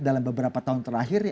dalam beberapa tahun terakhir